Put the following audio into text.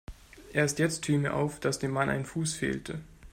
Erst jetzt fiel mir auf, dass dem Mann ein Fuß fehlte.